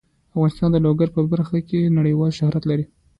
افغانستان د لوگر په برخه کې نړیوال شهرت لري.